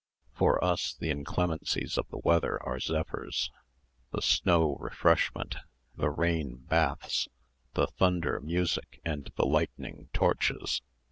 For us the inclemencies of the weather are zephyrs, the snow refreshment, the rain baths, the thunder music, and the lightning torches.